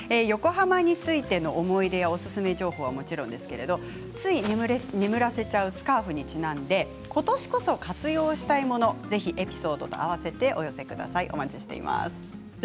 横浜についての思い出やおすすめ情報はもちろんつい眠らせちゃうスカーフにちなんでことしこそ活用したいものを、エピソードと合わせてお寄せください。